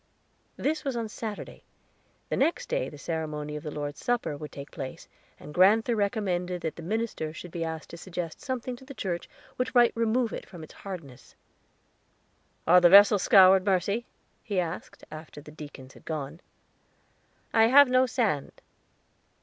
This was on Saturday; the next day the ceremony of the Lord's Supper would take place, and grand'ther recommended that the minister should be asked to suggest something to the church which might remove it from its hardness. "Are the vessels scoured, Mercy?" he asked, after the deacons had gone. "I have no sand."